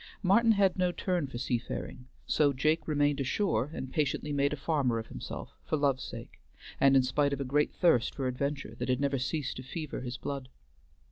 Martin had no turn for seafaring, so Jake remained ashore and patiently made a farmer of himself for love's sake, and in spite of a great thirst for adventure that had never ceased to fever his blood.